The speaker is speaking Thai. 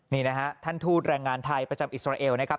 นี่นะฮะท่านทูตแรงงานไทยประจำอิสราเอลนะครับ